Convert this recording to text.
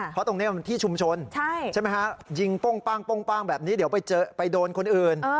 เพราะตรงนี้มันที่ชุมชนใช่ไหมฮะยิงโป้งแบบนี้เดี๋ยวไปโดนคนอื่น